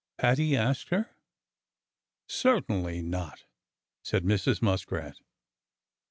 Paddy asked her. "Certainly not!" said Mrs. Muskrat.